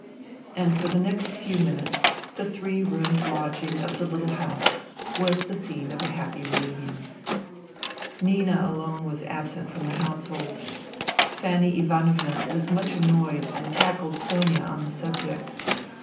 And for the next few minutes the three roomed lodging of the little house was the scene of a happy reunion. Nina alone was absent from the household. Fannj Ivanovna was much annoyed and tackled Sonia or the subject.